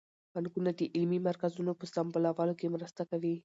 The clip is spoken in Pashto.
بانکونه د علمي مرکزونو په سمبالولو کې مرسته کوي.